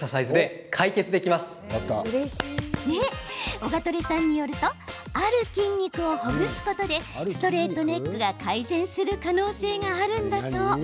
オガトレさんによるとある筋肉をほぐすことでストレートネックが改善する可能性があるんだそう。